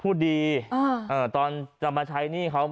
กลับมาพร้อมขอบความ